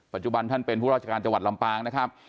ท่านเป็นผู้ราชการจังหวัดลำปางนะครับ